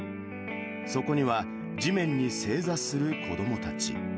そこには、地面に正座する子どもたち。